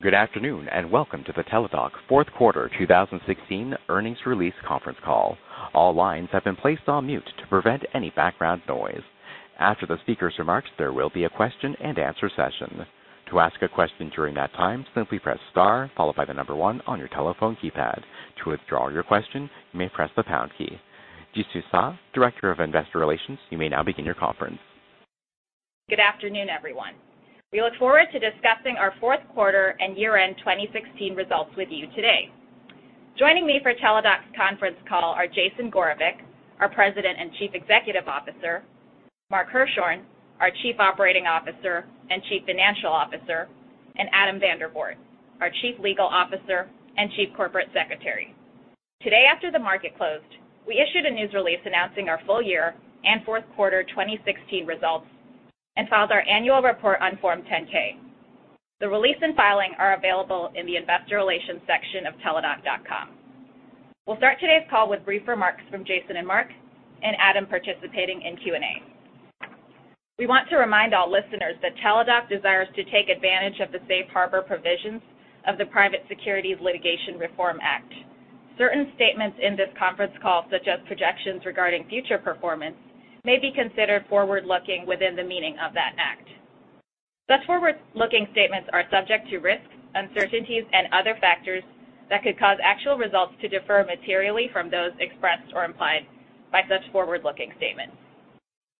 Good afternoon, welcome to the Teladoc fourth quarter 2016 earnings release conference call. All lines have been placed on mute to prevent any background noise. After the speaker's remarks, there will be a question and answer session. To ask a question during that time, simply press star, followed by the number one on your telephone keypad. To withdraw your question, you may press the pound key. Jisoo Suh, Director of Investor Relations, you may now begin your conference. Good afternoon, everyone. We look forward to discussing our fourth quarter and year-end 2016 results with you today. Joining me for Teladoc's conference call are Jason Gorevic, our President and Chief Executive Officer, Mark Hirschhorn, our Chief Operating Officer and Chief Financial Officer, and Adam Vandervoort, our Chief Legal Officer and Chief Corporate Secretary. Today after the market closed, we issued a news release announcing our full year and fourth quarter 2016 results and filed our annual report on Form 10-K. The release and filing are available in the investor relations section of teladoc.com. We'll start today's call with brief remarks from Jason and Mark, and Adam participating in Q&A. We want to remind all listeners that Teladoc desires to take advantage of the safe harbor provisions of the Private Securities Litigation Reform Act. Certain statements in this conference call, such as projections regarding future performance, may be considered forward-looking within the meaning of that act. Such forward-looking statements are subject to risks, uncertainties, and other factors that could cause actual results to differ materially from those expressed or implied by such forward-looking statements.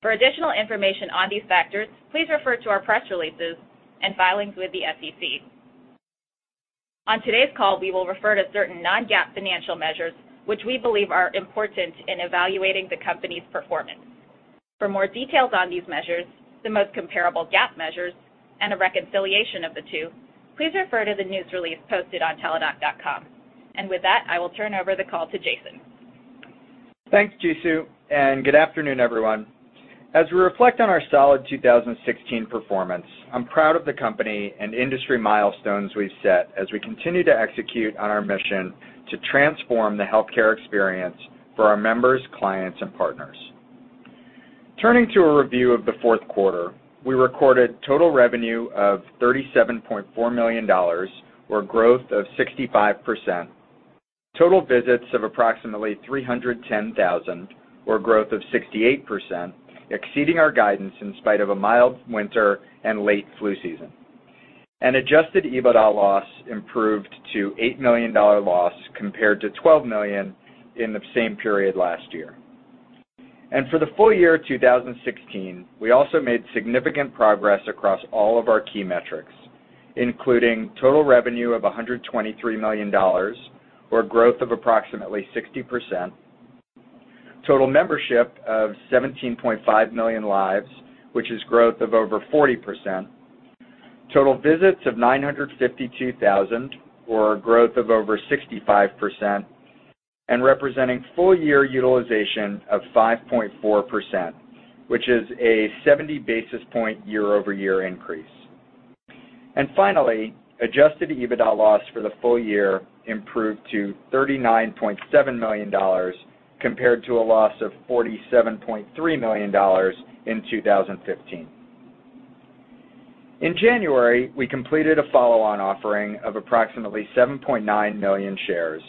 For additional information on these factors, please refer to our press releases and filings with the SEC. On today's call, we will refer to certain non-GAAP financial measures which we believe are important in evaluating the company's performance. For more details on these measures, the most comparable GAAP measures, and a reconciliation of the two, please refer to the news release posted on teladoc.com. With that, I will turn over the call to Jason. Thanks, Jisoo, good afternoon, everyone. As we reflect on our solid 2016 performance, I'm proud of the company and industry milestones we've set as we continue to execute on our mission to transform the healthcare experience for our members, clients, and partners. Turning to a review of the fourth quarter, we recorded total revenue of $37.4 million, or growth of 65%, total visits of approximately 310,000, or growth of 68%, exceeding our guidance in spite of a mild winter and late flu season. An adjusted EBITDA loss improved to $8 million loss compared to $12 million in the same period last year. For the full year 2016, we also made significant progress across all of our key metrics, including total revenue of $123 million, or growth of approximately 60%, total membership of 17.5 million lives, which is growth of over 40%, total visits of 952,000, or growth of over 65%, and representing full-year utilization of 5.4%, which is a 70 basis point year-over-year increase. Finally, adjusted EBITDA loss for the full year improved to $39.7 million compared to a loss of $47.3 million in 2015. In January, we completed a follow-on offering of approximately 7.9 million shares,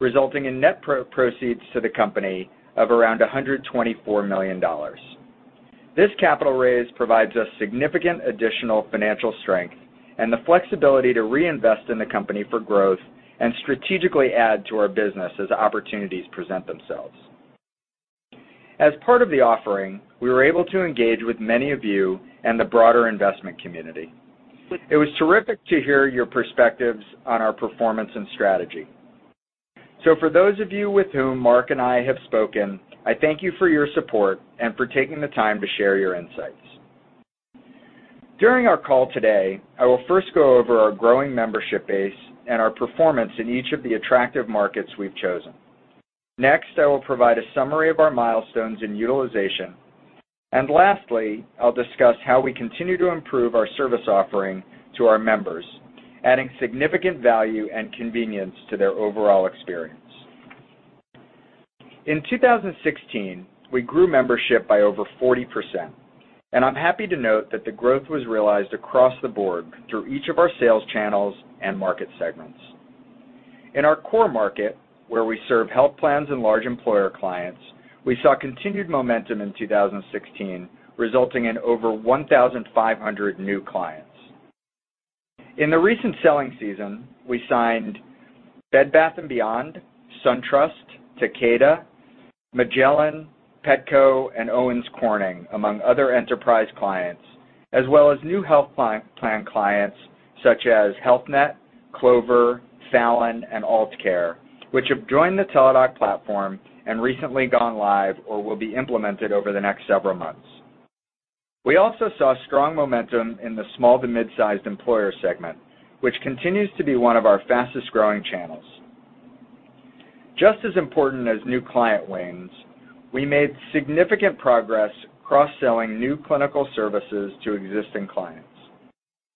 resulting in net proceeds to the company of around $124 million. This capital raise provides us significant additional financial strength and the flexibility to reinvest in the company for growth and strategically add to our business as opportunities present themselves. As part of the offering, we were able to engage with many of you and the broader investment community. It was terrific to hear your perspectives on our performance and strategy. For those of you with whom Mark and I have spoken, I thank you for your support and for taking the time to share your insights. During our call today, I will first go over our growing membership base and our performance in each of the attractive markets we've chosen. Next, I will provide a summary of our milestones in utilization. Lastly, I'll discuss how we continue to improve our service offering to our members, adding significant value and convenience to their overall experience. In 2016, we grew membership by over 40%, and I'm happy to note that the growth was realized across the board through each of our sales channels and market segments. In our core market, where we serve health plans and large employer clients, we saw continued momentum in 2016, resulting in over 1,500 new clients. In the recent selling season, we signed Bed Bath & Beyond, SunTrust, Takeda, Magellan, Petco, and Owens Corning, among other enterprise clients, as well as new health plan clients such as Health Net, Clover, Fallon, and AllCare, which have joined the Teladoc platform and recently gone live or will be implemented over the next several months. We also saw strong momentum in the small to mid-sized employer segment, which continues to be one of our fastest-growing channels. Just as important as new client wins, we made significant progress cross-selling new clinical services to existing clients.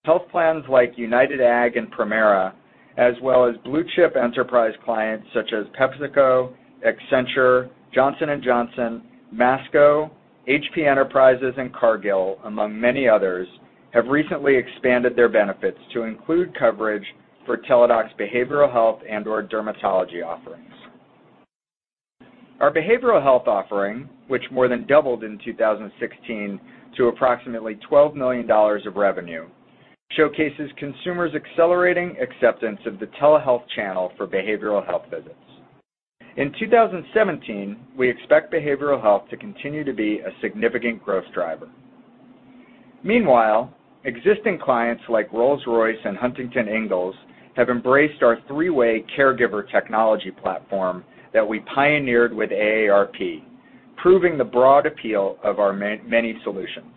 Health plans like UnitedAg and Premera, as well as blue-chip enterprise clients such as PepsiCo, Accenture, Johnson & Johnson, Masco, Hewlett Packard Enterprise, and Cargill, among many others, have recently expanded their benefits to include coverage for Teladoc's behavioral health and/or dermatology offerings. Our behavioral health offering, which more than doubled in 2016 to approximately $12 million of revenue, showcases consumers' accelerating acceptance of the telehealth channel for behavioral health visits. In 2017, we expect behavioral health to continue to be a significant growth driver. Meanwhile, existing clients like Rolls-Royce and Huntington Ingalls have embraced our three-way caregiver technology platform that we pioneered with AARP, proving the broad appeal of our many solutions.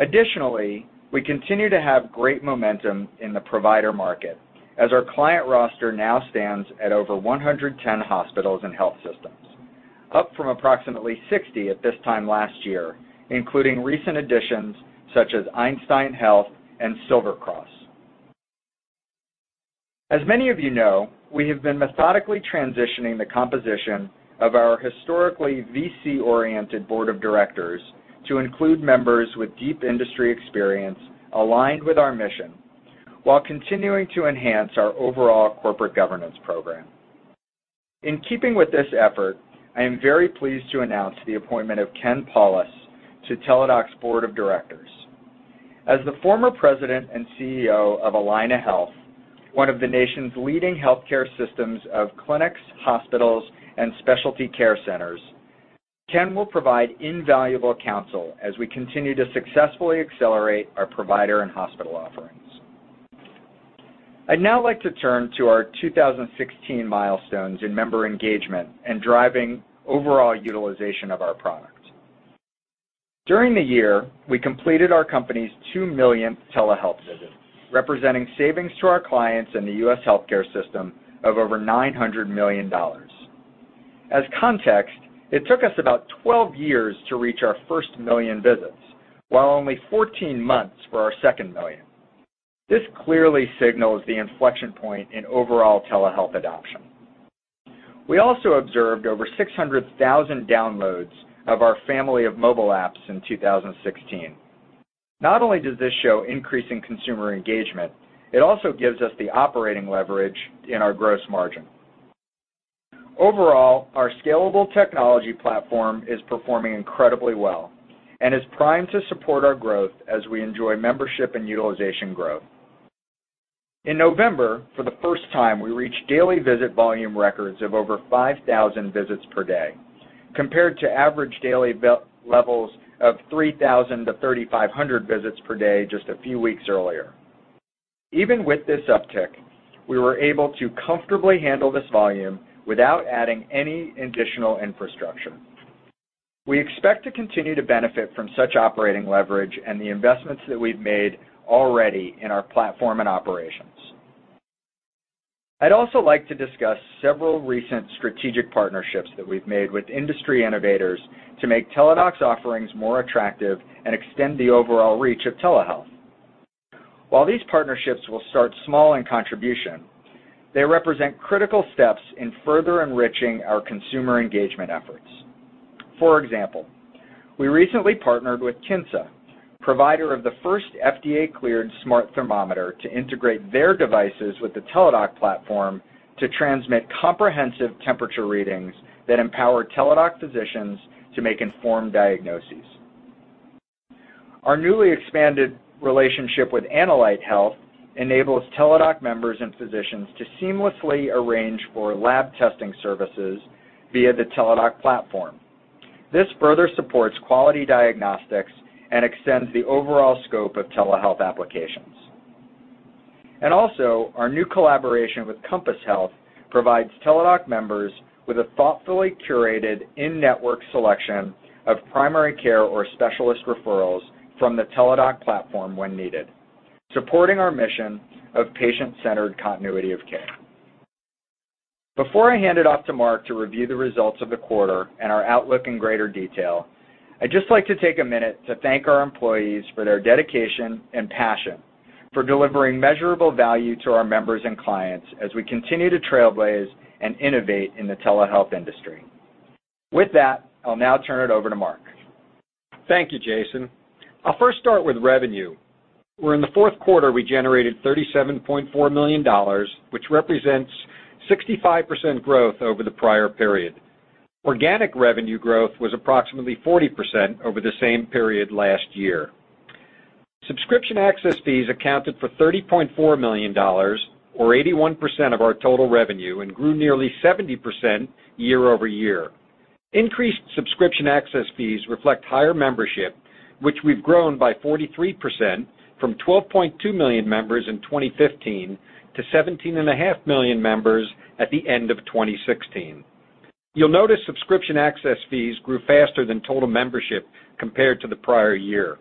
Additionally, we continue to have great momentum in the provider market, as our client roster now stands at over 110 hospitals and health systems, up from approximately 60 at this time last year, including recent additions such as Einstein Health and Silver Cross. As many of you know, we have been methodically transitioning the composition of our historically VC-oriented board of directors to include members with deep industry experience aligned with our mission while continuing to enhance our overall corporate governance program. In keeping with this effort, I am very pleased to announce the appointment of Ken Paulus to Teladoc's board of directors. As the former president and CEO of Allina Health, one of the nation's leading healthcare systems of clinics, hospitals, and specialty care centers, Ken will provide invaluable counsel as we continue to successfully accelerate our provider and hospital offerings. I'd now like to turn to our 2016 milestones in member engagement and driving overall utilization of our product. During the year, we completed our company's two millionth telehealth visit, representing savings to our clients in the U.S. healthcare system of over $900 million. As context, it took us about 12 years to reach our first million visits, while only 14 months for our second million. This clearly signals the inflection point in overall telehealth adoption. We also observed over 600,000 downloads of our family of mobile apps in 2016. Not only does this show increasing consumer engagement, it also gives us the operating leverage in our gross margin. Overall, our scalable technology platform is performing incredibly well and is primed to support our growth as we enjoy membership and utilization growth. In November, for the first time, we reached daily visit volume records of over 5,000 visits per day, compared to average daily levels of 3,000-3,500 visits per day just a few weeks earlier. Even with this uptick, we were able to comfortably handle this volume without adding any additional infrastructure. I'd also like to discuss several recent strategic partnerships that we've made with industry innovators to make Teladoc's offerings more attractive and extend the overall reach of telehealth. While these partnerships will start small in contribution, they represent critical steps in further enriching our consumer engagement efforts. For example, we recently partnered with Kinsa, provider of the first FDA-cleared smart thermometer, to integrate their devices with the Teladoc platform to transmit comprehensive temperature readings that empower Teladoc physicians to make informed diagnoses. Our newly expanded relationship with Analyte Health enables Teladoc members and physicians to seamlessly arrange for lab testing services via the Teladoc platform. This further supports quality diagnostics and extends the overall scope of telehealth applications. Also, our new collaboration with Compass Health provides Teladoc members with a thoughtfully curated in-network selection of primary care or specialist referrals from the Teladoc platform when needed, supporting our mission of patient-centered continuity of care. Before I hand it off to Mark to review the results of the quarter and our outlook in greater detail, I'd just like to take a minute to thank our employees for their dedication and passion for delivering measurable value to our members and clients as we continue to trailblaze and innovate in the telehealth industry. With that, I'll now turn it over to Mark. Thank you, Jason. I'll first start with revenue, where in the fourth quarter we generated $37.4 million, which represents 65% growth over the prior period. Organic revenue growth was approximately 40% over the same period last year. Subscription access fees accounted for $30.4 million, or 81% of our total revenue, and grew nearly 70% year-over-year. Increased subscription access fees reflect higher membership, which we've grown by 43% from 12.2 million members in 2015 to 17.5 million members at the end of 2016. You'll notice subscription access fees grew faster than total membership compared to the prior year.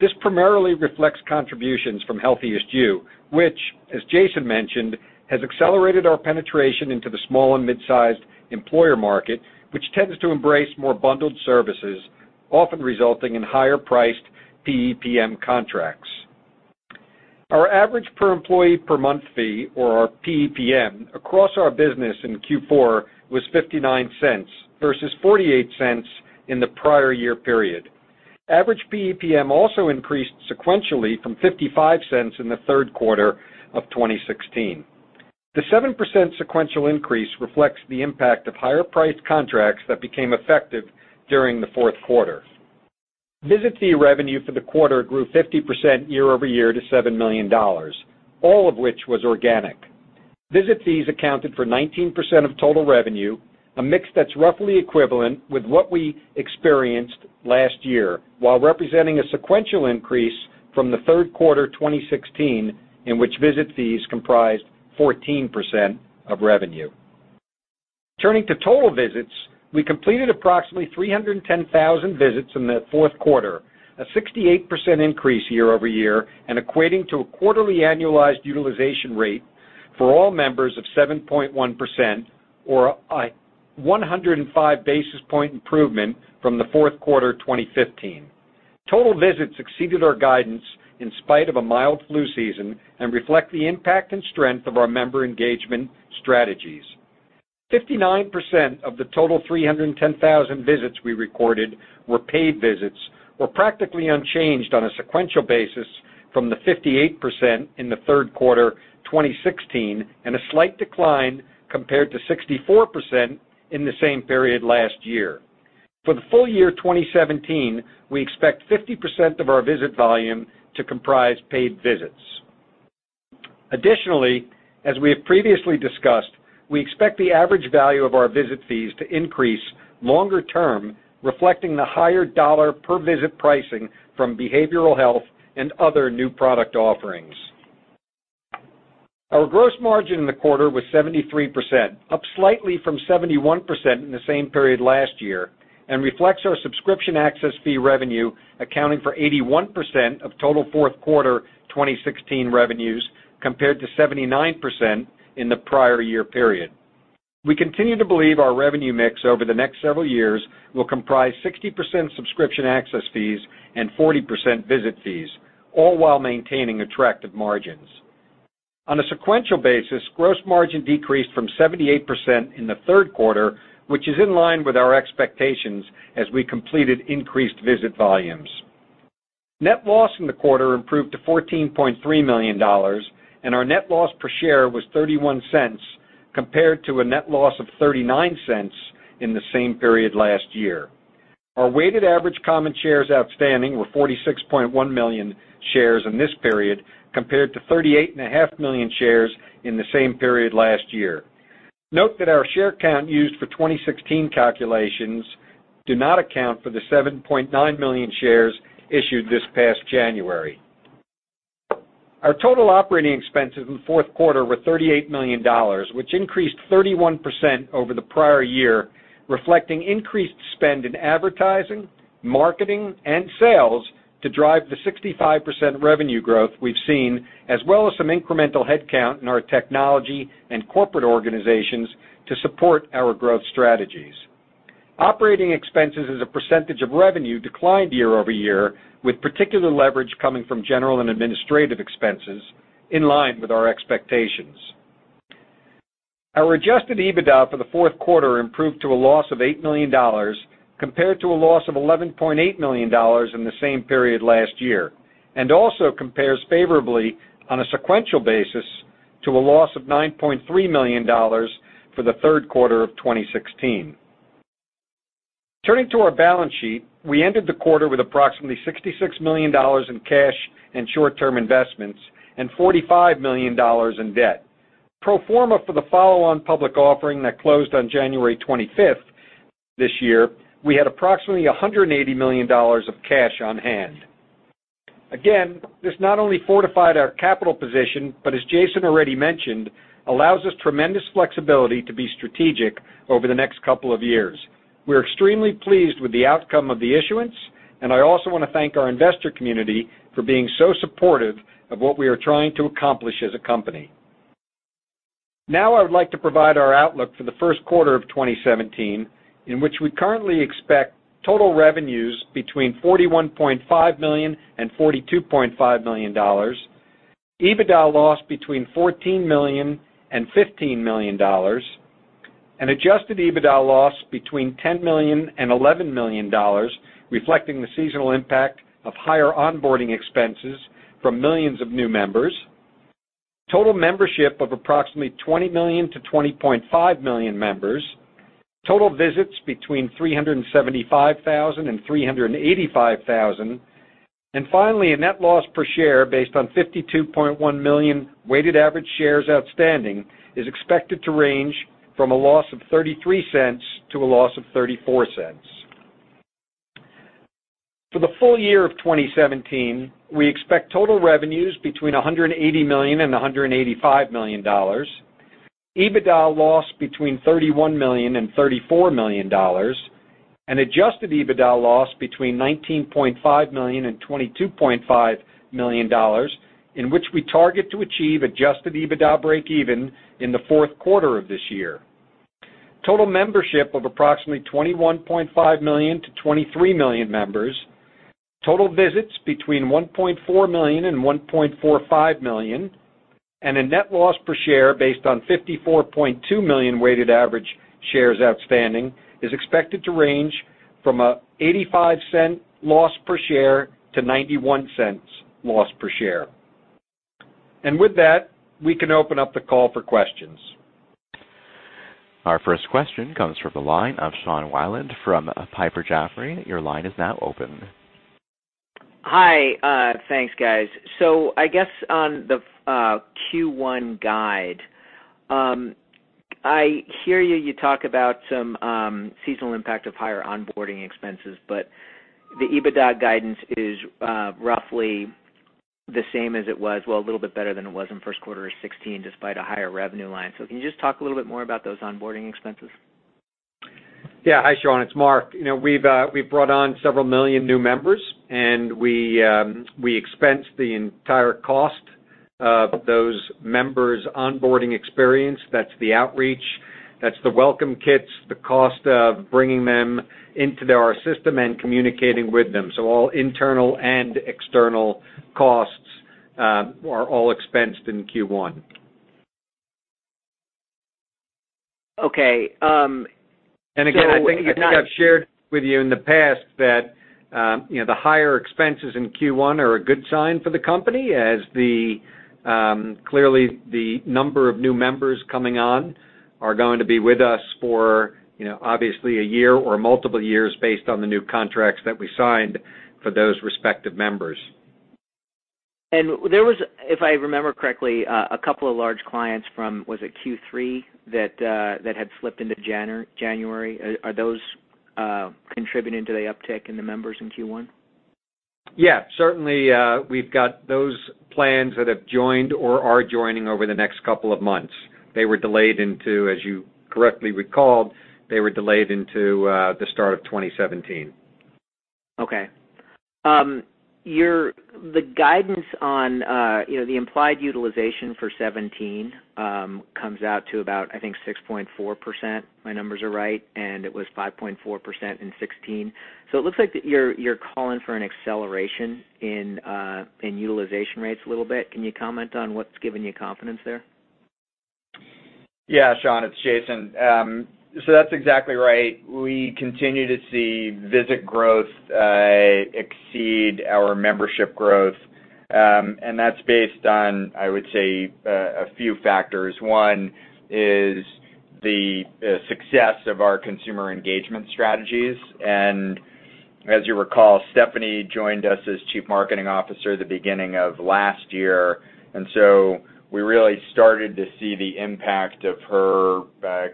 This primarily reflects contributions from HealthiestYou, which, as Jason mentioned, has accelerated our penetration into the small and mid-sized employer market, which tends to embrace more bundled services. Often resulting in higher priced PEPM contracts. Our average per employee per month fee or our PEPM across our business in Q4 was $0.59 versus $0.48 in the prior year period. Average PEPM also increased sequentially from $0.55 in the third quarter of 2016. The 7% sequential increase reflects the impact of higher priced contracts that became effective during the fourth quarter. Visit fee revenue for the quarter grew 50% year-over-year to $7 million, all of which was organic. Visit fees accounted for 19% of total revenue, a mix that's roughly equivalent with what we experienced last year, while representing a sequential increase from the third quarter 2016, in which visit fees comprised 14% of revenue. Turning to total visits, we completed approximately 310,000 visits in the fourth quarter, a 68% increase year-over-year, and equating to a quarterly annualized utilization rate for all members of 7.1%, or a 105 basis point improvement from the fourth quarter 2015. Total visits exceeded our guidance in spite of a mild flu season and reflect the impact and strength of our member engagement strategies. 59% of the total 310,000 visits we recorded were paid visits, were practically unchanged on a sequential basis from the 58% in the third quarter 2016, and a slight decline compared to 64% in the same period last year. For the full year 2017, we expect 50% of our visit volume to comprise paid visits. Additionally, as we have previously discussed, we expect the average value of our visit fees to increase longer term, reflecting the higher dollar per visit pricing from behavioral health and other new product offerings. Our gross margin in the quarter was 73%, up slightly from 71% in the same period last year and reflects our subscription access fee revenue accounting for 81% of total fourth quarter 2016 revenues, compared to 79% in the prior year period. We continue to believe our revenue mix over the next several years will comprise 60% subscription access fees and 40% visit fees, all while maintaining attractive margins. On a sequential basis, gross margin decreased from 78% in the third quarter, which is in line with our expectations as we completed increased visit volumes. Net loss in the quarter improved to $14.3 million. Our net loss per share was $0.31, compared to a net loss of $0.39 in the same period last year. Our weighted average common shares outstanding were 46.1 million shares in this period, compared to 38.5 million shares in the same period last year. Note that our share count used for 2016 calculations do not account for the 7.9 million shares issued this past January. Our total operating expenses in the fourth quarter were $38 million, which increased 31% over the prior year, reflecting increased spend in advertising, marketing, and sales to drive the 65% revenue growth we've seen, as well as some incremental headcount in our technology and corporate organizations to support our growth strategies. Operating expenses as a percentage of revenue declined year-over-year, with particular leverage coming from general and administrative expenses in line with our expectations. Our adjusted EBITDA for the fourth quarter improved to a loss of $8 million compared to a loss of $11.8 million in the same period last year, and also compares favorably on a sequential basis to a loss of $9.3 million for the third quarter of 2016. Turning to our balance sheet, we ended the quarter with approximately $66 million in cash and short-term investments and $45 million in debt. Pro forma for the follow-on public offering that closed on January 25th this year, we had approximately $180 million of cash on hand. This not only fortified our capital position, but as Jason already mentioned, allows us tremendous flexibility to be strategic over the next couple of years. We're extremely pleased with the outcome of the issuance. I also want to thank our investor community for being so supportive of what we are trying to accomplish as a company. I would like to provide our outlook for the first quarter of 2017, in which we currently expect total revenues between $41.5 million-$42.5 million. EBITDA loss between $14 million-$15 million. An adjusted EBITDA loss between $10 million-$11 million, reflecting the seasonal impact of higher onboarding expenses from millions of new members. Total membership of approximately 20 million-20.5 million members. Total visits between 375,000-385,000. Finally, a net loss per share based on 52.1 million weighted average shares outstanding is expected to range from a loss of $0.33 to a loss of $0.34. For the full year of 2017, we expect total revenues between $180 million and $185 million, EBITDA loss between $31 million and $34 million, and adjusted EBITDA loss between $19.5 million and $22.5 million, in which we target to achieve adjusted EBITDA breakeven in the fourth quarter of this year. Total membership of approximately 21.5 million to 23 million members, total visits between 1.4 million and 1.45 million, a net loss per share based on 54.2 million weighted average shares outstanding is expected to range from an $0.85 loss per share to $0.91 loss per share. With that, we can open up the call for questions. Our first question comes from the line of Sean Wieland from Piper Jaffray. Your line is now open. Hi. Thanks, guys. I guess on the Q1 guide, I hear you talk about some seasonal impact of higher onboarding expenses, but the EBITDA guidance is roughly the same as it was, well, a little bit better than it was in first quarter of 2016, despite a higher revenue line. Can you just talk a little bit more about those onboarding expenses? Yeah. Hi, Sean. It's Mark. We've brought on several million new members, and we expense the entire cost of those members' onboarding experience. That's the outreach, that's the welcome kits, the cost of bringing them into our system and communicating with them. All internal and external costs are all expensed in Q1. Okay. Again, I think I've shared with you in the past that the higher expenses in Q1 are a good sign for the company, as clearly the number of new members coming on are going to be with us for obviously a year or multiple years based on the new contracts that we signed for those respective members. There was, if I remember correctly, a couple of large clients from, was it Q3, that had slipped into January. Are those contributing to the uptick in the members in Q1? Certainly, we've got those plans that have joined or are joining over the next couple of months. They were delayed into, as you correctly recalled, they were delayed into the start of 2017. The guidance on the implied utilization for 2017 comes out to about, I think, 6.4%, my numbers are right, and it was 5.4% in 2016. It looks like that you're calling for an acceleration in utilization rates a little bit. Can you comment on what's giving you confidence there? Yeah, Sean, it's Jason. That's exactly right. We continue to see visit growth exceed our membership growth, and that's based on, I would say, a few factors. One is the success of our consumer engagement strategies. As you recall, Stephany joined us as Chief Marketing Officer the beginning of last year. We really started to see the impact of her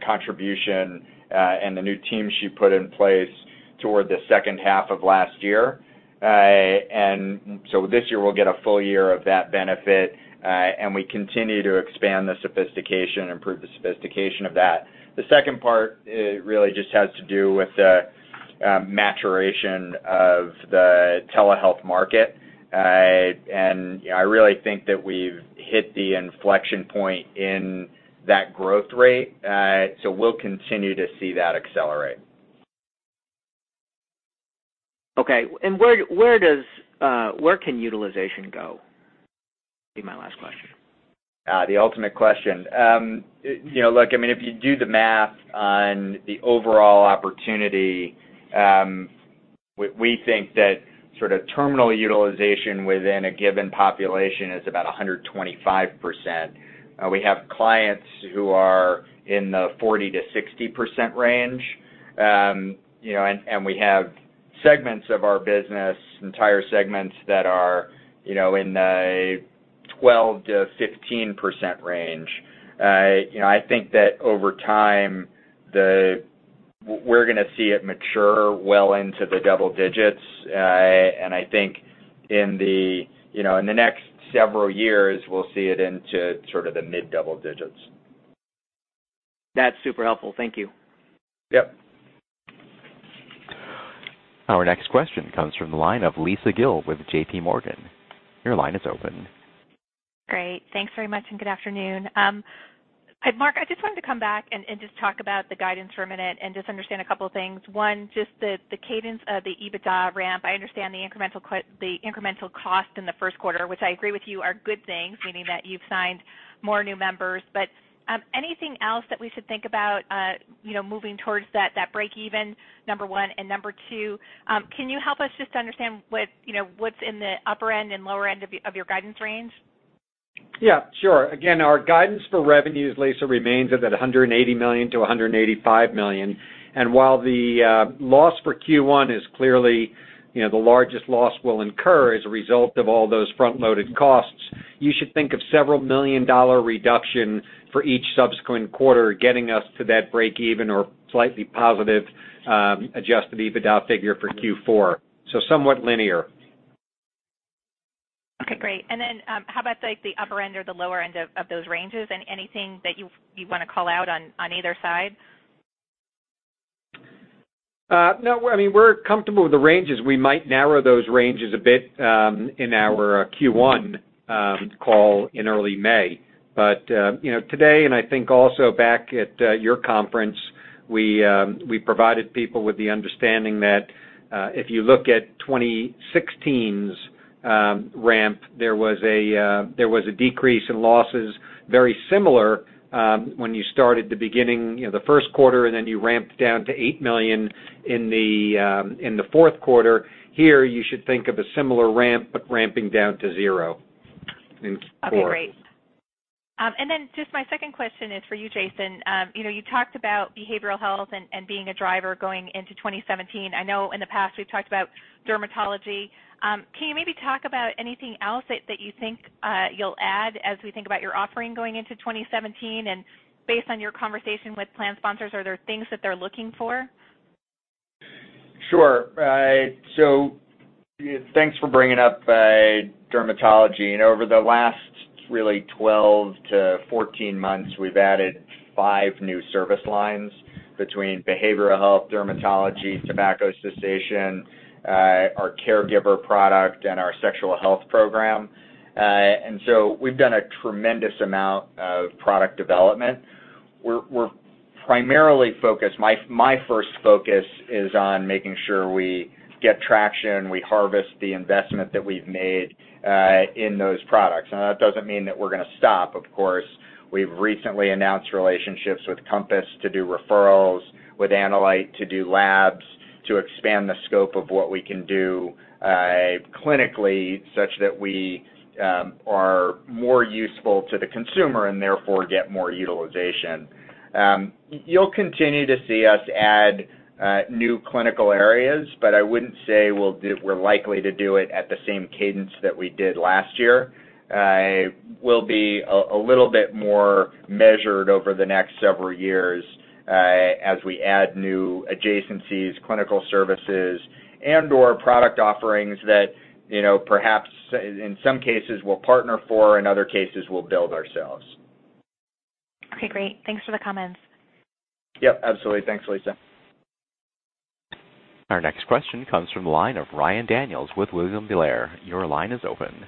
contribution, and the new team she put in place toward the second half of last year. This year, we'll get a full year of that benefit, and we continue to expand the sophistication and improve the sophistication of that. The second part really just has to do with the maturation of the telehealth market. I really think that we've hit the inflection point in that growth rate. We'll continue to see that accelerate. Okay. Where can utilization go? Be my last question. The ultimate question. Look, if you do the math on the overall opportunity, we think that terminal utilization within a given population is about 125%. We have clients who are in the 40%-60% range, and we have segments of our business, entire segments that are in the 12%-15% range. I think that over time, we're going to see it mature well into the double digits. I think in the next several years, we'll see it into sort of the mid-double digits. That's super helpful. Thank you. Yep. Our next question comes from the line of Lisa Gill with J.P. Morgan. Your line is open. Great. Thanks very much, and good afternoon. Mark, I just wanted to come back and just talk about the guidance for a minute and just understand a couple of things. One, just the cadence of the EBITDA ramp. I understand the incremental cost in the first quarter, which I agree with you are good things, meaning that you've signed more new members. Anything else that we should think about moving towards that breakeven, number one. Number two, can you help us just understand what's in the upper end and lower end of your guidance range? Yeah, sure. Again, our guidance for revenues, Lisa, remains at that $180 million-$185 million. While the loss for Q1 is clearly the largest loss we'll incur as a result of all those front-loaded costs, you should think of several million-dollar reduction for each subsequent quarter getting us to that breakeven or slightly positive adjusted EBITDA figure for Q4. Somewhat linear. Okay, great. How about the upper end or the lower end of those ranges and anything that you want to call out on either side? No, we're comfortable with the ranges. We might narrow those ranges a bit in our Q1 call in early May. Today, and I think also back at your conference, we provided people with the understanding that if you look at 2016's ramp, there was a decrease in losses, very similar when you started the beginning, the first quarter, and then you ramped down to $8 million in the fourth quarter. Here, you should think of a similar ramp, ramping down to zero in Q4. That'd be great. Then just my second question is for you, Jason. You talked about behavioral health and being a driver going into 2017. I know in the past, we've talked about dermatology. Can you maybe talk about anything else that you think you'll add as we think about your offering going into 2017? Based on your conversation with plan sponsors, are there things that they're looking for? Sure. Thanks for bringing up dermatology. Over the last really 12-14 months, we've added five new service lines between behavioral health, dermatology, tobacco cessation, our caregiver product, and our sexual health program. We've done a tremendous amount of product development. We're primarily focused, my first focus is on making sure we get traction, we harvest the investment that we've made in those products. That doesn't mean that we're going to stop, of course. We've recently announced relationships with Compass to do referrals, with Analyte to do labs, to expand the scope of what we can do clinically, such that we are more useful to the consumer and therefore get more utilization. You'll continue to see us add new clinical areas, I wouldn't say we're likely to do it at the same cadence that we did last year. We'll be a little bit more measured over the next several years as we add new adjacencies, clinical services, and/or product offerings that perhaps in some cases we'll partner for, in other cases, we'll build ourselves. Okay, great. Thanks for the comments. Yep, absolutely. Thanks, Lisa. Our next question comes from the line of Ryan Daniels with William Blair. Your line is open.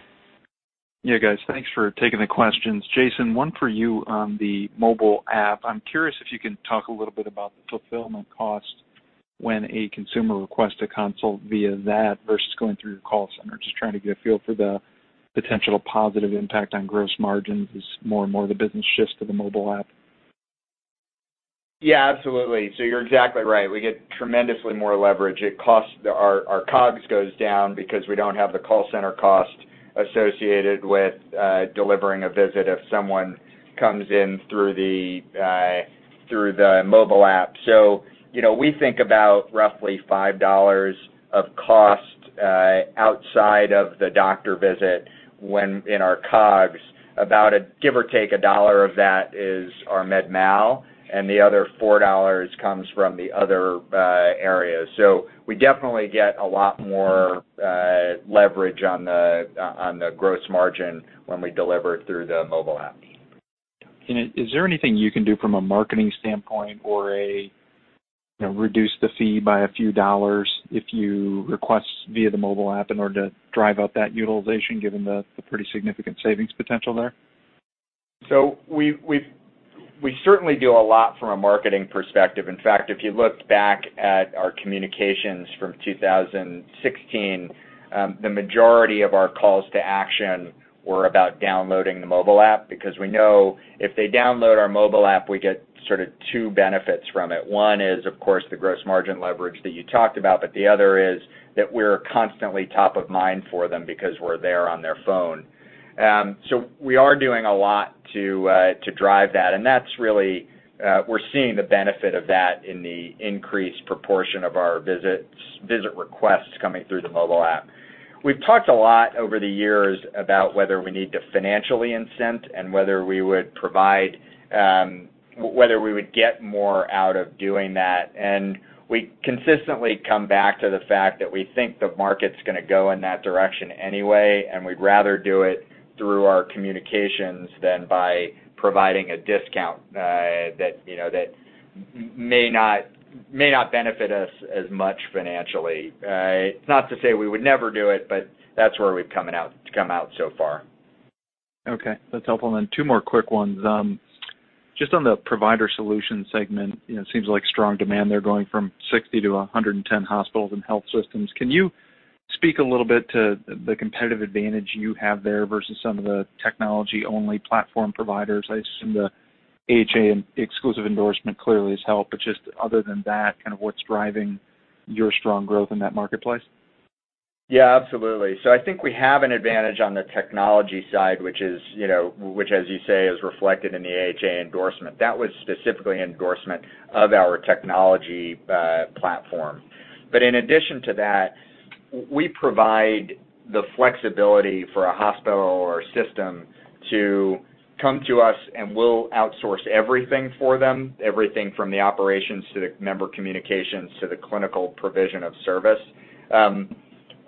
Yeah, guys, thanks for taking the questions. Jason, one for you on the mobile app. I'm curious if you can talk a little bit about the fulfillment cost when a consumer requests a consult via that versus going through your call center. Just trying to get a feel for the potential positive impact on gross margins as more and more of the business shifts to the mobile app. Yeah, absolutely. You're exactly right. We get tremendously more leverage. Our COGS goes down because we don't have the call center cost associated with delivering a visit if someone comes in through the mobile app. We think about roughly $5 of cost outside of the doctor visit when in our COGS. About give or take $1 of that is our medical malpractice, and the other $4 comes from the other areas. We definitely get a lot more leverage on the gross margin when we deliver through the mobile app. Is there anything you can do from a marketing standpoint or reduce the fee by a few dollars if you request via the mobile app in order to drive up that utilization, given the pretty significant savings potential there? We certainly do a lot from a marketing perspective. In fact, if you look back at our communications from 2016, the majority of our calls to action were about downloading the mobile app because we know if they download our mobile app, we get two benefits from it. One is, of course, the gross margin leverage that you talked about, but the other is that we're constantly top of mind for them because we're there on their phone. We are doing a lot to drive that, and that's really, we're seeing the benefit of that in the increased proportion of our visit requests coming through the mobile app. We've talked a lot over the years about whether we need to financially incent and whether we would get more out of doing that. We consistently come back to the fact that we think the market's going to go in that direction anyway, and we'd rather do it through our communications than by providing a discount that may not benefit us as much financially. It's not to say we would never do it, but that's where we've come out so far. Two more quick ones. Just on the provider solution segment, it seems like strong demand there going from 60 to 110 hospitals and health systems. Can you speak a little bit to the competitive advantage you have there versus some of the technology-only platform providers? I assume the AHA exclusive endorsement clearly has helped. Just other than that, what's driving your strong growth in that marketplace? Yeah, absolutely. I think we have an advantage on the technology side, which, as you say, is reflected in the AHA endorsement. That was specifically endorsement of our technology platform. In addition to that, we provide the flexibility for a hospital or a system to come to us, and we'll outsource everything for them, everything from the operations to the member communications to the clinical provision of service.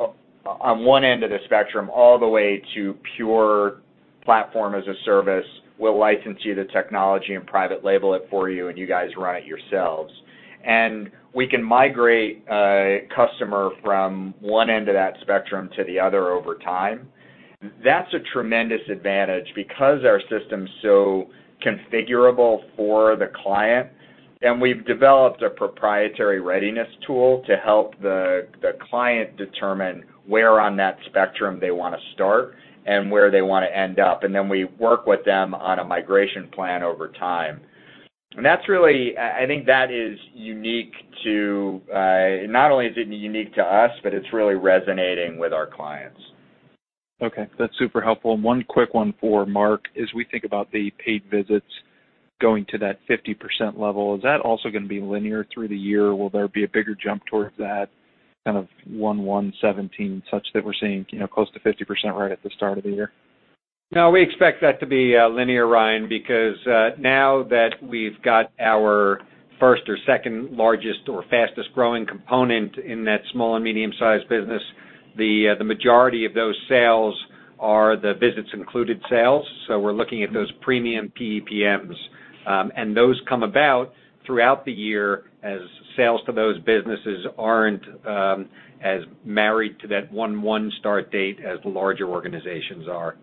On one end of the spectrum, all the way to pure platform as a service. We'll license you the technology and private label it for you, and you guys run it yourselves. We can migrate a customer from one end of that spectrum to the other over time. That's a tremendous advantage because our system's so configurable for the client, and we've developed a proprietary readiness tool to help the client determine where on that spectrum they want to start and where they want to end up. Then we work with them on a migration plan over time. I think that is unique to, not only is it unique to us, but it's really resonating with our clients. One quick one for Mark. As we think about the paid visits going to that 50% level, is that also going to be linear through the year? Will there be a bigger jump towards that, kind of 01/01/2017, such that we're seeing close to 50% right at the start of the year? No, we expect that to be linear, Ryan, because now that we've got our first or second largest or fastest-growing component in that small and medium-sized business, the majority of those sales are the visits included sales. We're looking at those premium PEPMs. Those come about throughout the year as sales to those businesses aren't as married to that 1/1 start date as larger organizations are.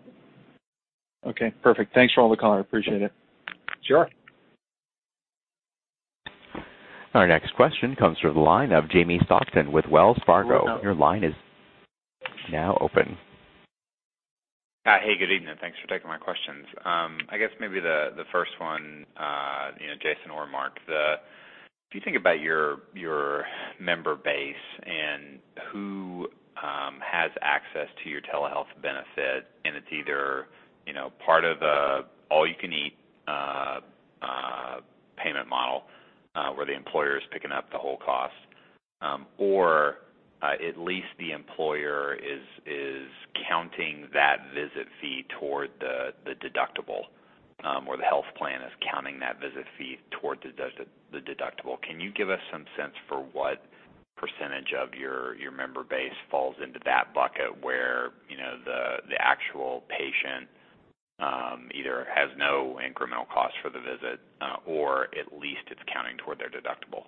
Okay, perfect. Thanks for all the color. Appreciate it. Sure. Our next question comes through the line of Jamie Stockton with Wells Fargo. Your line is now open. Hey, good evening. Thanks for taking my questions. I guess maybe the first one, Jason or Mark. If you think about your member base and who has access to your telehealth benefit, and it's either part of the all-you-can-eat payment model where the employer is picking up the whole cost, or at least the employer is counting that visit fee toward the deductible, or the health plan is counting that visit fee toward the deductible. Can you give us some sense for what % of your member base falls into that bucket where the actual patient either has no incremental cost for the visit, or at least it's counting toward their deductible?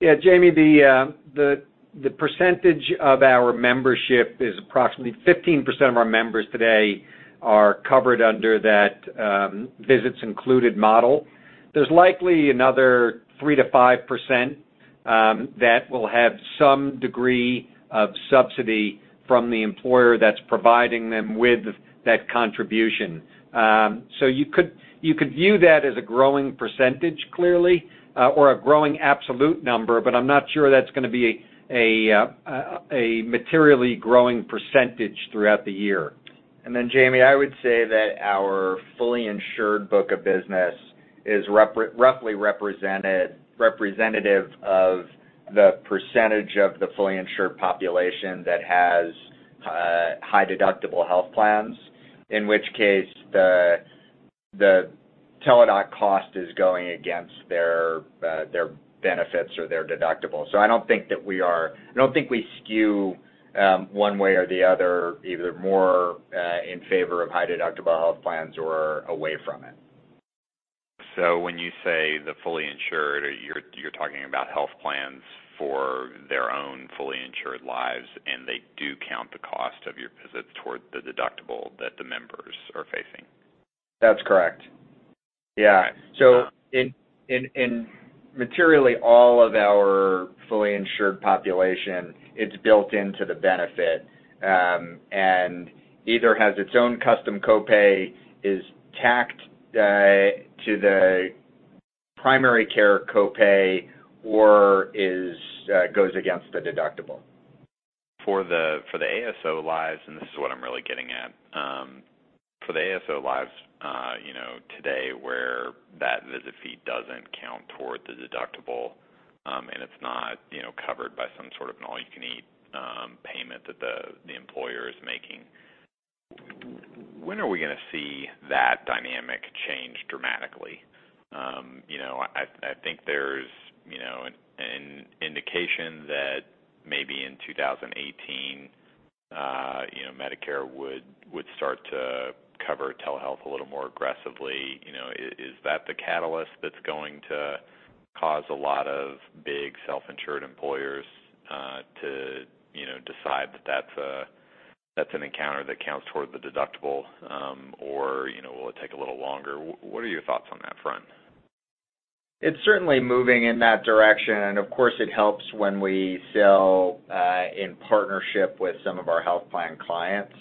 Yeah, Jamie, the percentage of our membership is approximately 15% of our members today are covered under that visits included model. There's likely another 3% to 5% that will have some degree of subsidy from the employer that's providing them with that contribution. You could view that as a growing percentage, clearly, or a growing absolute number, but I'm not sure that's going to be a materially growing percentage throughout the year. Jamie, I would say that our fully insured book of business is roughly representative of the percentage of the fully insured population that has high deductible health plans, in which case the Teladoc cost is going against their benefits or their deductible. I don't think we skew one way or the other, either more in favor of high deductible health plans or away from it. When you say the fully insured, you're talking about health plans for their own fully insured lives, and they do count the cost of your visits toward the deductible that the members are facing? That's correct. Yeah. Materially, all of our fully insured population, it's built into the benefit. Either has its own custom copay, is tacked to the primary care copay, or goes against the deductible. For the ASO lives, and this is what I'm really getting at. For the ASO lives today where that visit fee doesn't count toward the deductible, and it's not covered by some sort of an all you can eat payment that the employer is making, when are we going to see that dynamic change dramatically? I think there's an indication that maybe in 2018, Medicare would start to cover telehealth a little more aggressively. Is that the catalyst that's going to cause a lot of big self-insured employers to decide that that's an encounter that counts toward the deductible? Or will it take a little longer? What are your thoughts on that front? It's certainly moving in that direction, and of course, it helps when we sell in partnership with some of our health plan clients.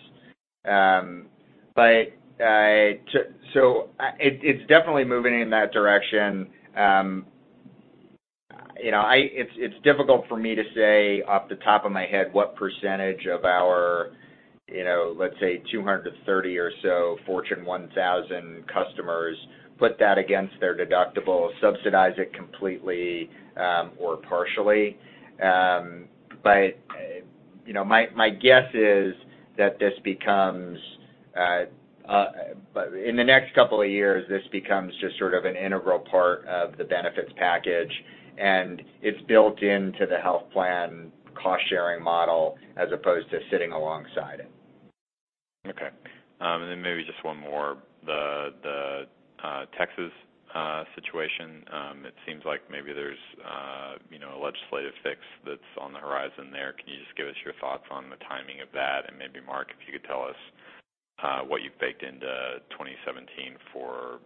It's definitely moving in that direction. It's difficult for me to say off the top of my head what percentage of our, let's say, 230 or so Fortune 1000 customers put that against their deductible, subsidize it completely or partially. My guess is that this becomes In the next couple of years, this becomes just sort of an integral part of the benefits package, and it's built into the health plan cost-sharing model as opposed to sitting alongside it. Okay. Then maybe just one more. The Texas situation, it seems like maybe there's a legislative fix that's on the horizon there. Can you just give us your thoughts on the timing of that? And maybe, Mark, if you could tell us what you've baked into 2017 for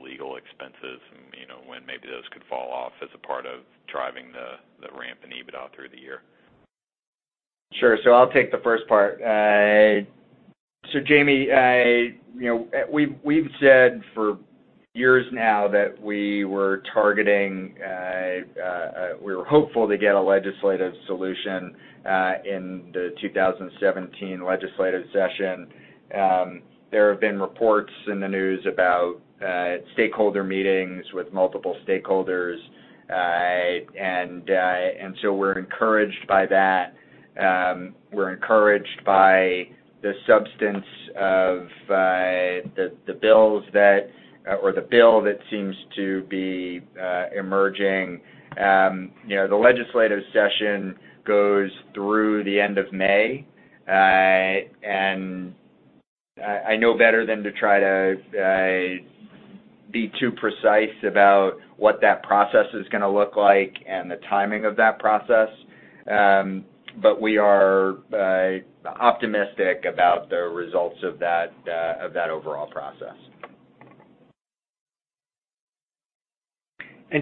legal expenses and when maybe those could fall off as a part of driving the ramp in EBITDA through the year. Sure. I'll take the first part. Jamie, we've said for years now that we were hopeful to get a legislative solution in the 2017 legislative session. There have been reports in the news about stakeholder meetings with multiple stakeholders, and so we're encouraged by that. We're encouraged by the substance of the bill that seems to be emerging. The legislative session goes through the end of May, and I know better than to try to be too precise about what that process is going to look like and the timing of that process, but we are optimistic about the results of that overall process.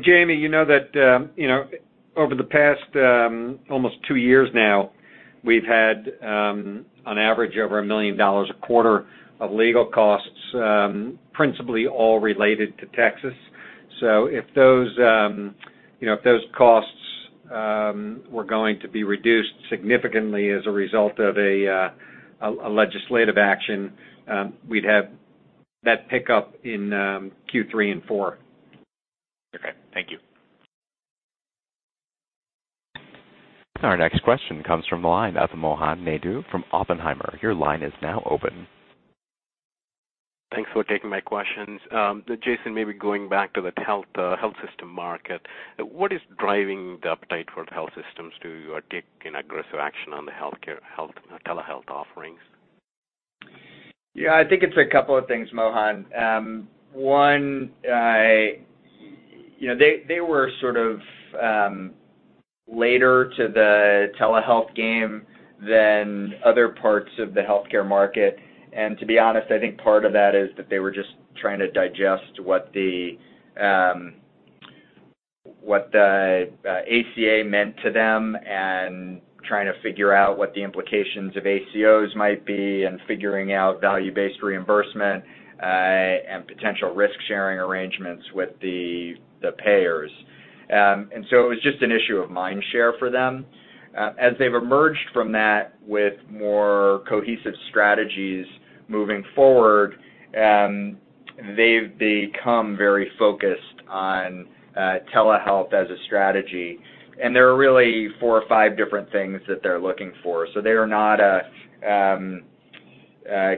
Jamie, over the past almost 2 years now, we've had, on average, over $1 million a quarter of legal costs, principally all related to Texas. If those costs were going to be reduced significantly as a result of a legislative action, we'd have that pickup in Q3 and four. Okay. Thank you. Our next question comes from the line. Mohan Naidu from Oppenheimer, your line is now open. Thanks for taking my questions. Jason, maybe going back to the health system market, what is driving the appetite for health systems to take an aggressive action on the telehealth offerings? I think it's a couple of things, Mohan. One, they were sort of later to the telehealth game than other parts of the healthcare market. To be honest, I think part of that is that they were just trying to digest what the ACA meant to them and trying to figure out what the implications of ACOs might be and figuring out value-based reimbursement, and potential risk-sharing arrangements with the payers. It was just an issue of mind share for them. As they've emerged from that with more cohesive strategies moving forward, they've become very focused on telehealth as a strategy. There are really four or five different things that they're looking for. They are not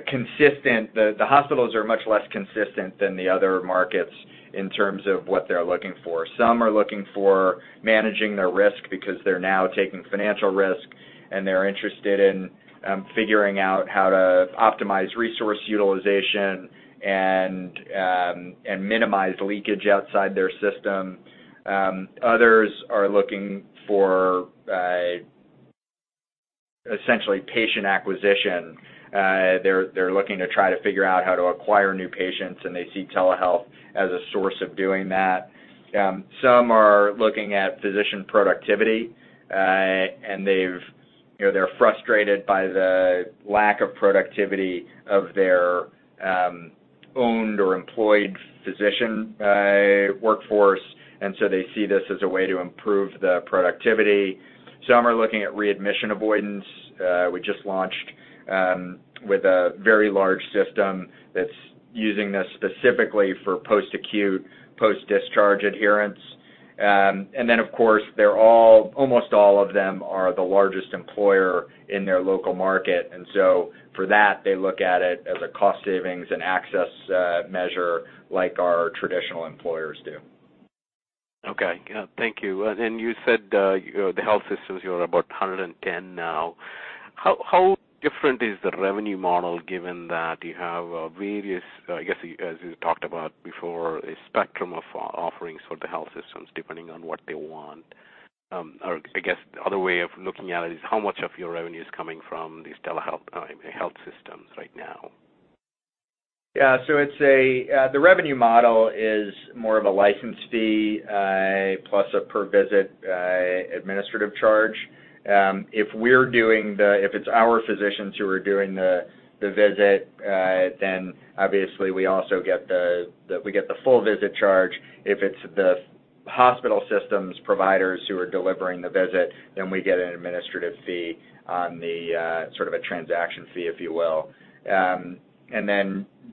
consistent. The hospitals are much less consistent than the other markets in terms of what they're looking for. Some are looking for managing their risk because they're now taking financial risk, and they're interested in figuring out how to optimize resource utilization and minimize leakage outside their system. Others are looking for essentially patient acquisition. They're looking to try to figure out how to acquire new patients, and they see telehealth as a source of doing that. Some are looking at physician productivity, and they're frustrated by the lack of productivity of their owned or employed physician workforce, and so they see this as a way to improve the productivity. Some are looking at readmission avoidance. We just launched with a very large system that's using this specifically for post-acute, post-discharge adherence. Then, of course, almost all of them are the largest employer in their local market, and so for that, they look at it as a cost savings and access measure like our traditional employers do. Okay. Thank you. You said the health systems, you're about 110 now. How different is the revenue model given that you have various, I guess, as you talked about before, a spectrum of offerings for the health systems, depending on what they want? I guess, the other way of looking at it is how much of your revenue is coming from these health systems right now? Yeah. The revenue model is more of a license fee, plus a per visit administrative charge. If it's our physicians who are doing the visit, then obviously we get the full visit charge. If it's the hospital systems providers who are delivering the visit, then we get an administrative fee on the, sort of a transaction fee, if you will.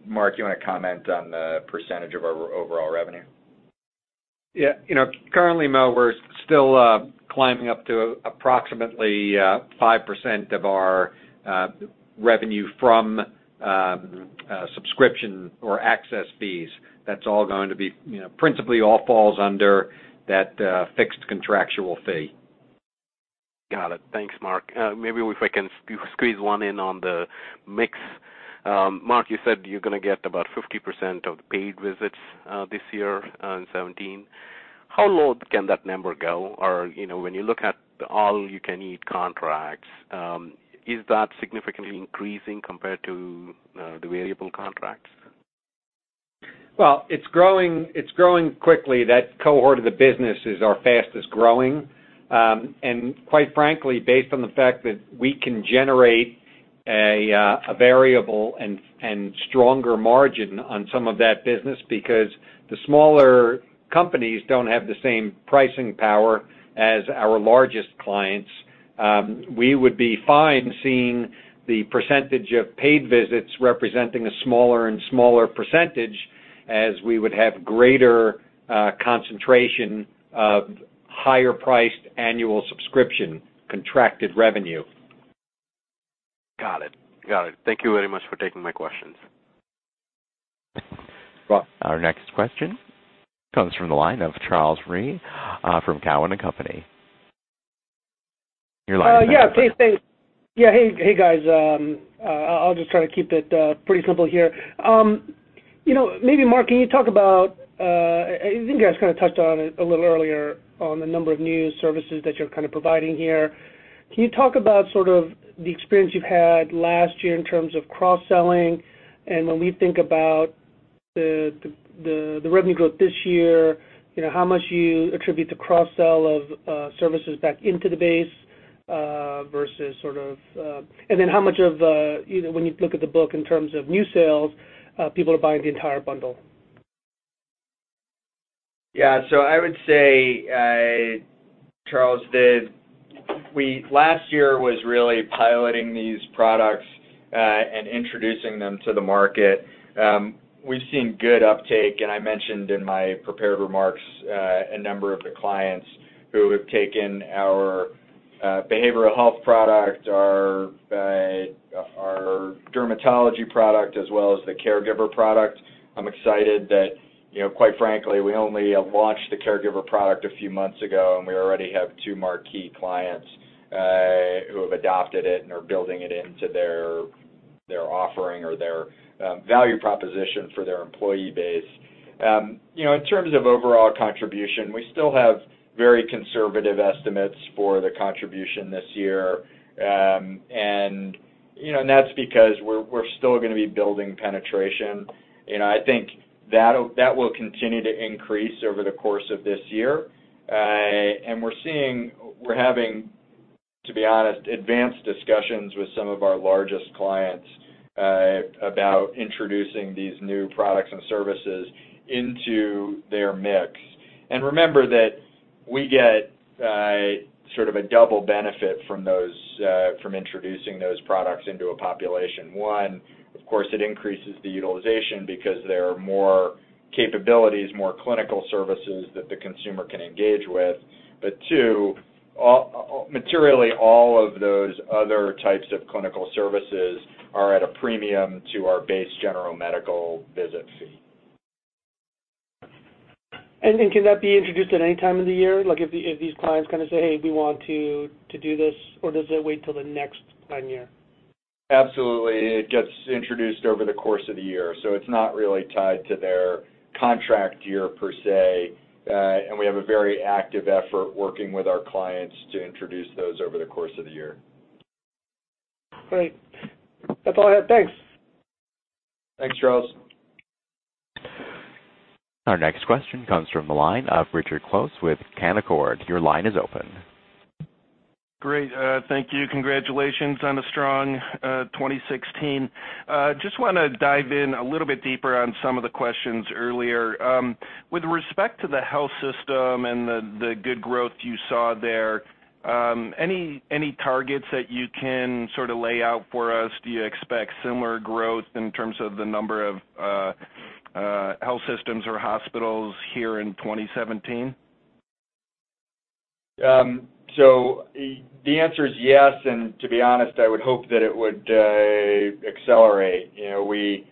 Mark, you want to comment on the percentage of our overall revenue? Yeah. Currently, Mo, we're still climbing up to approximately 5% of our revenue from subscription or access fees. That principally all falls under that fixed contractual fee. Got it. Thanks, Mark. Maybe if I can squeeze one in on the mix. Mark, you said you're going to get about 50% of paid visits this year in 2017. How low can that number go? Or when you look at the all-you-can-eat contracts, is that significantly increasing compared to the variable contracts? Well, it's growing quickly. That cohort of the business is our fastest growing. Quite frankly, based on the fact that we can generate a variable and stronger margin on some of that business because the smaller companies don't have the same pricing power as our largest clients. We would be fine seeing the percentage of paid visits representing a smaller and smaller percentage as we would have greater concentration of higher priced annual subscription contracted revenue. Got it. Thank you very much for taking my questions. You're welcome. Our next question comes from the line of Charles Rhyee from Cowen and Company. Your line is open. Yeah. Hey, guys. I'll just try to keep it pretty simple here. Maybe, Mark, can you talk about, I think you guys kind of touched on it a little earlier, on the number of new services that you're providing here. Can you talk about the experience you've had last year in terms of cross-selling? When we think about the revenue growth this year, how much do you attribute the cross-sell of services back into the base, and then how much of, when you look at the book in terms of new sales, people are buying the entire bundle? Yeah. I would say, Charles, that last year was really piloting these products and introducing them to the market. We've seen good uptake, and I mentioned in my prepared remarks, a number of the clients who have taken our behavioral health product, our dermatology product, as well as the caregiver product. I'm excited that, quite frankly, we only launched the caregiver product a few months ago, and we already have two marquee clients who have adopted it and are building it into their offering or their value proposition for their employee base. In terms of overall contribution, we still have very conservative estimates for the contribution this year. That's because we're still going to be building penetration, and I think that will continue to increase over the course of this year. We're having, to be honest, advanced discussions with some of our largest clients about introducing these new products and services into their mix. Remember that we get sort of a double benefit from introducing those products into a population. One, of course, it increases the utilization because there are more capabilities, more clinical services that the consumer can engage with. Two, materially, all of those other types of clinical services are at a premium to our base general medical visit fee. Can that be introduced at any time of the year? If these clients say, "Hey, we want to do this," or does it wait till the next plan year? Absolutely. It gets introduced over the course of the year, so it's not really tied to their contract year, per se. We have a very active effort working with our clients to introduce those over the course of the year. Great. That's all I have. Thanks. Thanks, Charles. Our next question comes from the line of Richard Close with Canaccord. Your line is open. Great. Thank you. Congratulations on a strong 2016. Just want to dive in a little bit deeper on some of the questions earlier. With respect to the health system and the good growth you saw there, any targets that you can sort of lay out for us? Do you expect similar growth in terms of the number of health systems or hospitals here in 2017? The answer is yes, and to be honest, I would hope that it would accelerate. We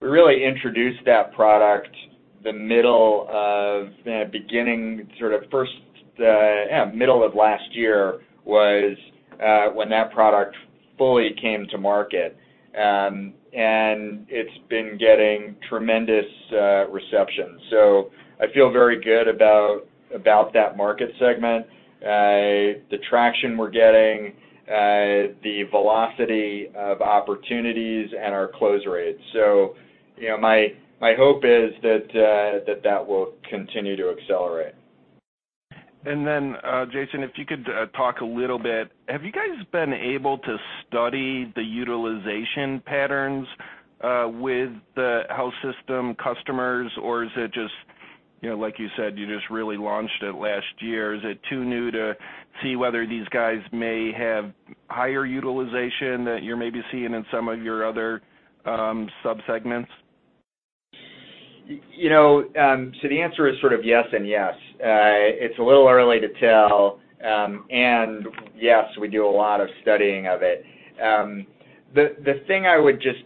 really introduced that product the middle of last year was when that product fully came to market. It's been getting tremendous reception. I feel very good about that market segment, the traction we're getting, the velocity of opportunities, and our close rates. My hope is that that will continue to accelerate. Jason, if you could talk a little bit, have you guys been able to study the utilization patterns with the health system customers, or is it just, like you said, you just really launched it last year? Is it too new to see whether these guys may have higher utilization that you're maybe seeing in some of your other sub-segments? The answer is sort of yes and yes. It's a little early to tell, and yes, we do a lot of studying of it. The thing I would just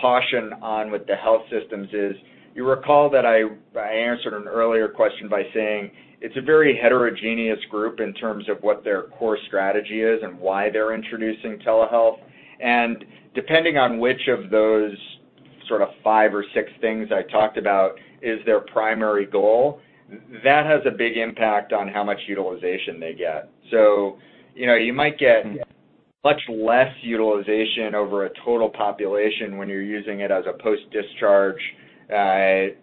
caution on with the health systems is, you recall that I answered an earlier question by saying it's a very heterogeneous group in terms of what their core strategy is and why they're introducing telehealth. Depending on which of those five or six things I talked about is their primary goal, that has a big impact on how much utilization they get. You might get much less utilization over a total population when you're using it as a post-discharge care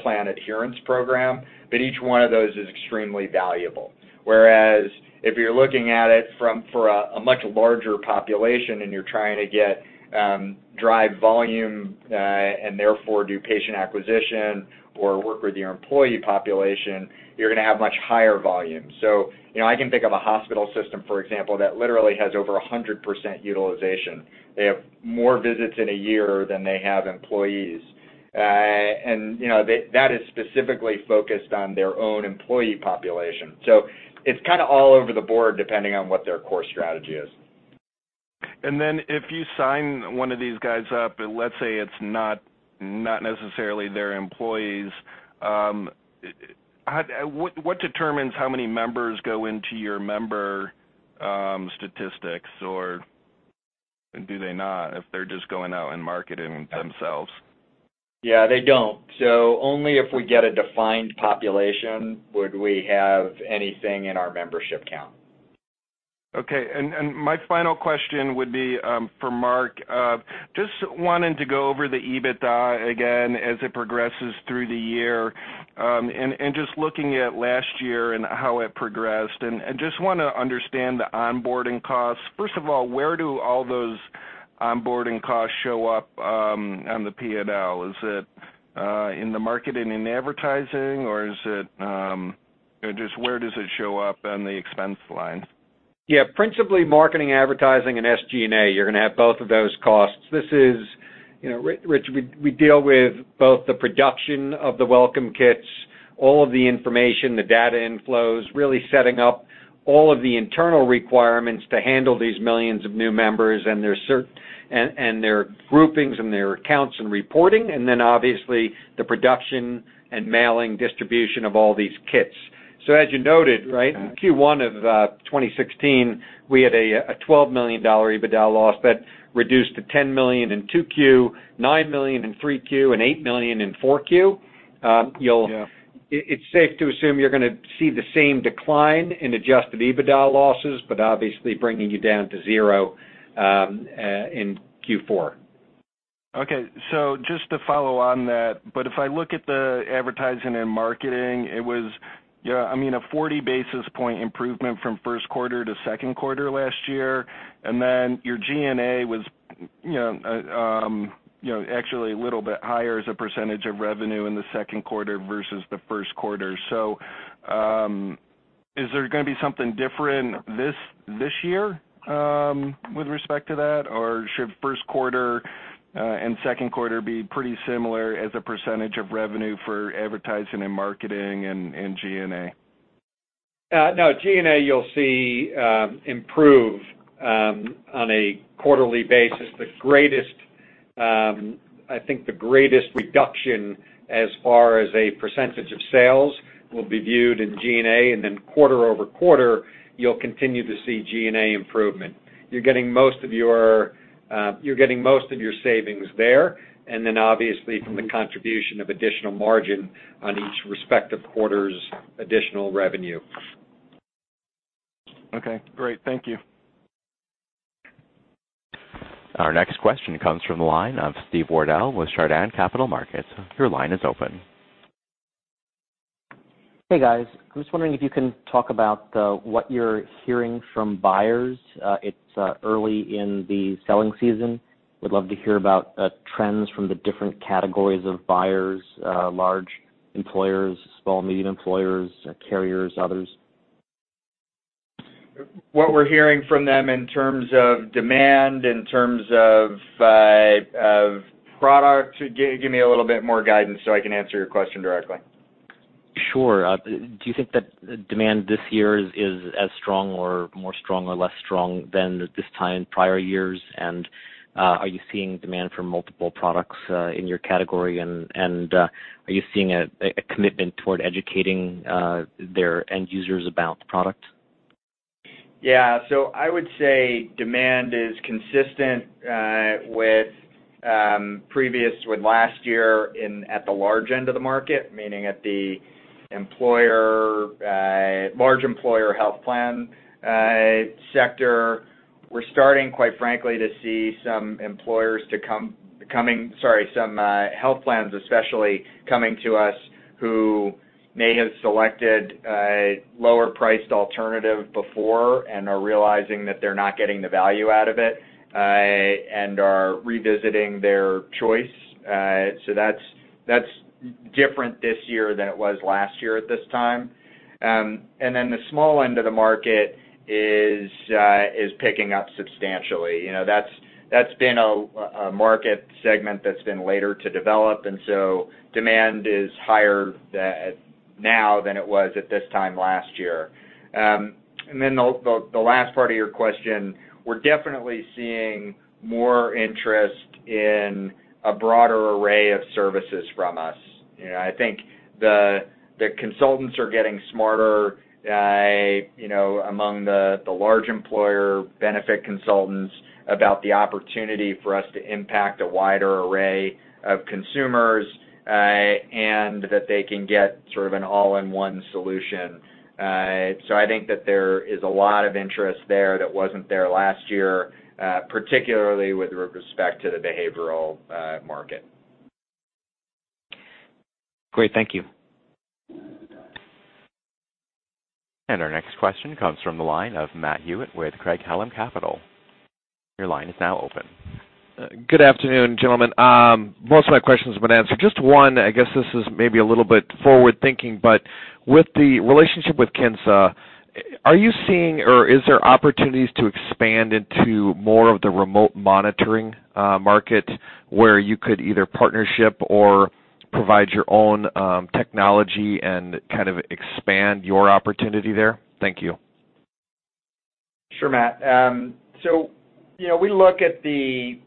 plan adherence program, but each one of those is extremely valuable. Whereas if you're looking at it for a much larger population and you're trying to get drive volume, and therefore do patient acquisition or work with your employee population, you're going to have much higher volumes. I can think of a hospital system, for example, that literally has over 100% utilization. They have more visits in a year than they have employees. That is specifically focused on their own employee population. It's kind of all over the board depending on what their core strategy is. If you sign one of these guys up, let's say it's not necessarily their employees, what determines how many members go into your member statistics? Do they not if they're just going out and marketing themselves? Yeah, they don't. Only if we get a defined population would we have anything in our membership count. Okay. My final question would be for Mark. Just wanted to go over the EBITDA again as it progresses through the year, and just looking at last year and how it progressed, and just want to understand the onboarding costs. First of all, where do all those onboarding costs show up on the P&L? Is it in the marketing and advertising, or where does it show up on the expense line? Yeah, principally marketing, advertising, and SG&A. You're going to have both of those costs. Rich, we deal with both the production of the welcome kits, all of the information, the data inflows, really setting up all of the internal requirements to handle these millions of new members and their groupings and their accounts and reporting, then obviously the production and mailing, distribution of all these kits. As you noted, right, Q1 of 2016, we had a $12 million EBITDA loss that reduced to $10 million in Q2, $9 million in Q3, and $8 million in Q4. Yeah. It's safe to assume you're going to see the same decline in adjusted EBITDA losses, obviously bringing you down to zero in Q4. Okay. Just to follow on that, if I look at the advertising and marketing, it was a 40-basis point improvement from first quarter to second quarter last year. Your G&A was actually a little bit higher as a percentage of revenue in the second quarter versus the first quarter. Is there going to be something different this year with respect to that, or should first quarter and second quarter be pretty similar as a percentage of revenue for advertising and marketing and G&A? No. G&A you'll see improve on a quarterly basis. I think the greatest reduction as far as a % of sales will be viewed in G&A, and then quarter-over-quarter, you'll continue to see G&A improvement. You're getting most of your savings there, and then obviously from the contribution of additional margin on each respective quarter's additional revenue. Okay, great. Thank you. Our next question comes from the line of Steve Wardell with Chardan Capital Markets. Your line is open. Hey, guys. I'm just wondering if you can talk about what you're hearing from buyers. It's early in the selling season. Would love to hear about trends from the different categories of buyers, large employers, small and medium employers, carriers, others. What we're hearing from them in terms of demand, in terms of product? Give me a little bit more guidance so I can answer your question directly. Sure. Do you think that demand this year is as strong or more strong or less strong than this time prior years? Are you seeing demand for multiple products in your category, are you seeing a commitment toward educating their end users about the product? Yeah. I would say demand is consistent with last year at the large end of the market, meaning at the large employer health plan sector. We're starting, quite frankly, to see some health plans especially coming to us who may have selected a lower priced alternative before and are realizing that they're not getting the value out of it and are revisiting their choice. That's different this year than it was last year at this time. The small end of the market is picking up substantially. That's been a market segment that's been later to develop, demand is higher now than it was at this time last year. The last part of your question, we're definitely seeing more interest in a broader array of services from us. I think the consultants are getting smarter among the large employer benefit consultants about the opportunity for us to impact a wider array of consumers, that they can get sort of an all-in-one solution. I think that there is a lot of interest there that wasn't there last year, particularly with respect to the behavioral market. Great. Thank you. Our next question comes from the line of Matt Hewitt with Craig-Hallum Capital. Your line is now open. Good afternoon, gentlemen. Most of my questions have been answered. Just one, I guess this is maybe a little bit forward-thinking, but with the relationship with Kinsa, are you seeing or is there opportunities to expand into more of the remote monitoring market where you could either partnership or provide your own technology and kind of expand your opportunity there? Thank you. Sure, Matt. We look at the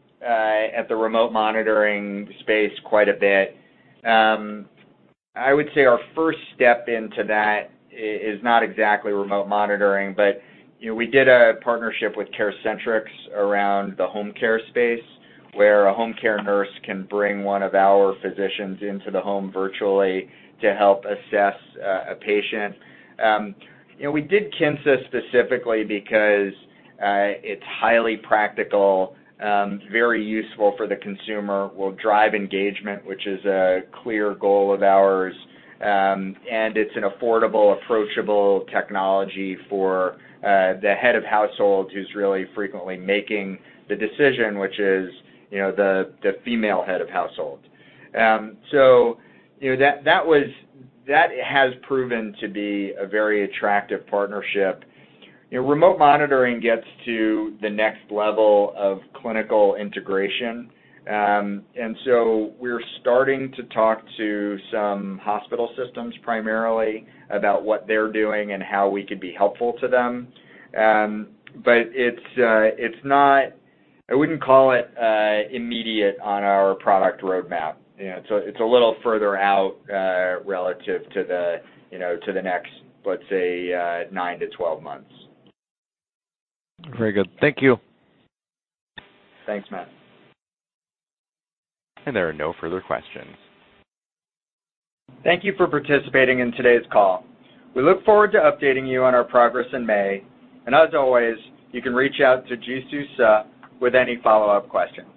remote monitoring space quite a bit. I would say our first step into that is not exactly remote monitoring, but we did a partnership with CareCentrix around the home care space, where a home care nurse can bring one of our physicians into the home virtually to help assess a patient. We did Kinsa specifically because it's highly practical, very useful for the consumer, will drive engagement, which is a clear goal of ours, and it's an affordable, approachable technology for the head of household who's really frequently making the decision, which is the female head of household. That has proven to be a very attractive partnership. Remote monitoring gets to the next level of clinical integration. We're starting to talk to some hospital systems primarily about what they're doing and how we could be helpful to them. I wouldn't call it immediate on our product roadmap. It's a little further out, relative to the next, let's say, nine to 12 months. Very good. Thank you. Thanks, Matt. There are no further questions. Thank you for participating in today's call. We look forward to updating you on our progress in May, and as always, you can reach out to Jisoo Suh with any follow-up questions.